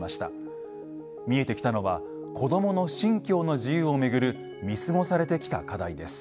見えてきたのは子どもの信教の自由を巡る見過ごされてきた課題です。